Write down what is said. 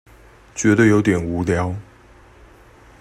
覺得有點無聊